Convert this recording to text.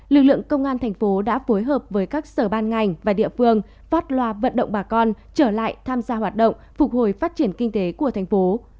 lực lượng công an thành phố đã phối hợp với các sở ban ngành và địa phương phát loa vận động bà con trở lại tham gia hoạt động phục hồi phát triển kinh tế của thành phố